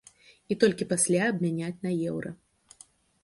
І толькі пасля абмяняць на еўра.